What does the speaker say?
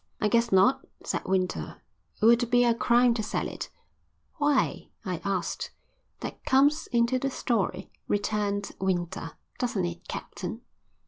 "I guess not," said Winter. "It would be a crime to sell it." "Why?" I asked. "That comes into the story," returned Winter. "Doesn't it, Captain?"